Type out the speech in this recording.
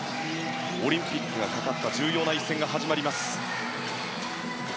オリンピックがかかった重要な一戦が始まります。